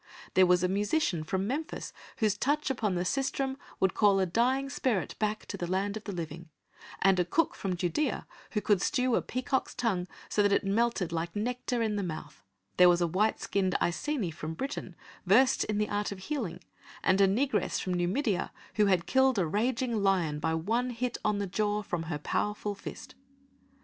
There was a musician from Memphis whose touch upon the sistrum would call a dying spirit back to the land of the living, and a cook from Judæa who could stew a peacock's tongue so that it melted like nectar in the mouth: there was a white skinned Iceni from Britain, versed in the art of healing, and a negress from Numidia who had killed a raging lion by one hit on the jaw from her powerful fist.